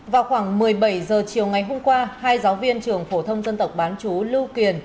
vào khoảng một mươi bảy h chiều ngày hôm qua hai giáo viên trường phổ thông dân tộc bán chú lưu kiền